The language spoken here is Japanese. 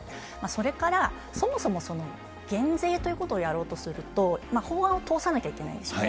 それからそもそも、減税ということをやろうとすると、法案を通さなきゃいけないですよね。